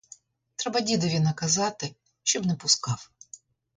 Треба дідові наказати, щоб не пускав.